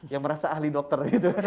yang merasa ahli dokter